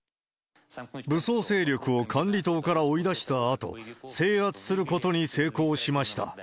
武装勢力を管理棟から追い出したあと、制圧することに成功しました。